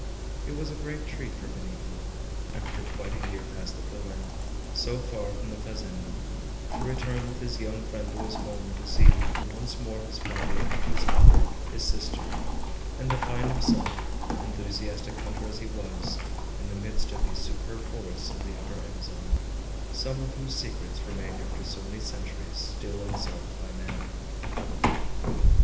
It was a great treat for Benito, after quite a year passed at Belem, so far from the fazenda, to return with his young friend to his home to see once more his father, his mother, his sister, and to find himself, enthusiastic hunter as he was, in the midst of these superb forests of the Upper Amazon, some of whose secrets remained after so many centuries still unsolved by man.